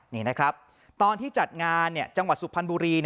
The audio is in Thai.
นี่นะครับตอนที่จัดงานจังหวัดสุพรรณบุรี